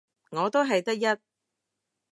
我都係得一